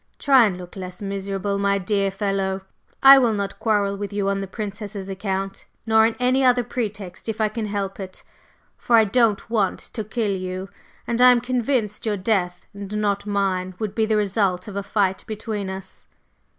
Try and look less miserable, my dear fellow, I will not quarrel with you on the Princess's account, nor on any other pretext if I can help it, for I don't want to kill you, and I am convinced your death and not mine would be the result of a fight between us!"